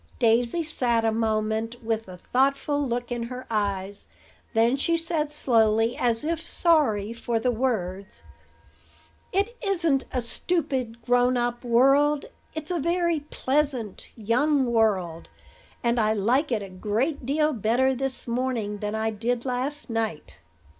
Daisy sat a moment with a thoughtful look in her eyes; then she said slowly, as if sorry for the words: "It isn't a stupid, grown up world. It's a very pleasant, young world; and I like it a great deal better this morning than I did last night."